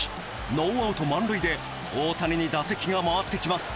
ノーアウト満塁で大谷に打席が回ってきます。